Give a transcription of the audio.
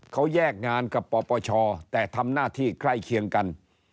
เขาแยกงานกับปปชแต่ทำหน้าที่ใกล้เคียงกัน